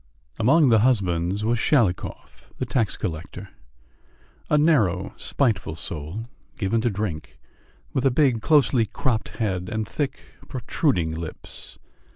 Among the husbands was Shalikov, the tax collector a narrow, spiteful soul, given to drink, with a big, closely cropped head, and thick, protruding lips.